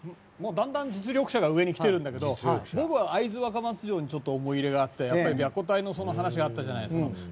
だんだん実力者が上に来てるんだけど僕は会津若松城に思い入れがあって白虎隊の話があったじゃないですか。